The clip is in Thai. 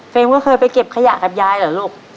ว่าเคยไปเก็บขยะกับยายเหรอลูก